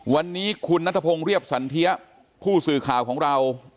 วันนี้คุณนัทพงศ์เรียบสันเทียผู้สื่อข่าวของเรา